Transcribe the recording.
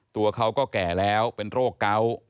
ตัวเขาก็แก่แล้วเป็นโรคเกาะ